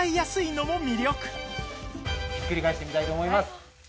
ひっくり返してみたいと思います。